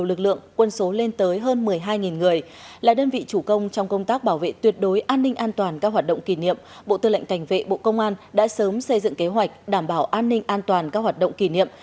bộ tư lệnh cảnh vệ bộ công an đã sớm xây dựng kế hoạch đảm bảo an ninh an toàn các hoạt động kỷ niệm